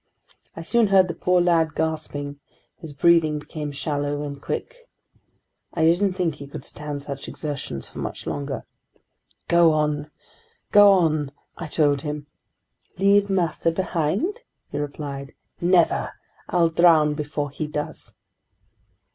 I soon heard the poor lad gasping; his breathing became shallow and quick. I didn't think he could stand such exertions for much longer. "Go on! Go on!" I told him. "Leave master behind?" he replied. "Never! I'll drown before he does!"